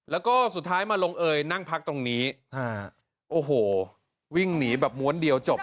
แล้วก็สุดท้ายมาลงเอยนั่งพักตรงนี้โอ้โหวิ่งหนีแบบม้วนเดียวจบ